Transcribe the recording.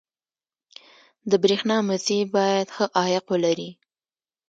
• د برېښنا مزي باید ښه عایق ولري.